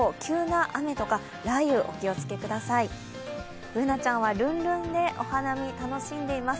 Ｂｏｏｎａちゃんはルンルンでお花見楽しんでいます。